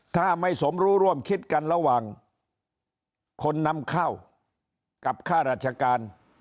ถ้าไม่สมรู้ร่วมคิดกันระหว่างคนนำเข้ากับค่าราชการ